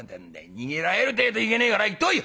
逃げられるてえといけねえから行ってこい！」。